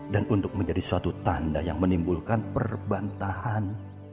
dan untuk menjadi suatu tanda yang menimbulkan perbantahan